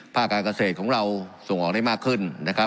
การเกษตรของเราส่งออกได้มากขึ้นนะครับ